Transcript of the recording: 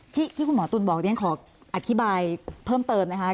ที่คุณหมอตุ๋นบอกเรียนขออธิบายเพิ่มเติมนะคะ